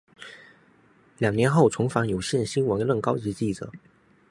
两年后重返有线新闻任高级记者。